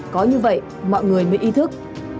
có như vậy mọi người mới ý thức